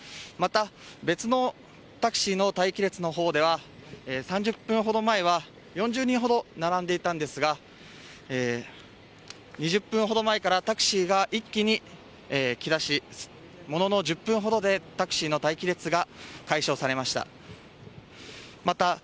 また別のタクシーの待機列の方では３０分ほど前は４０人ほど並んでいたんですが２０分ほど前からタクシーが一気にきだし、ものの１０分ほどでタクシーの待機列が解消されました。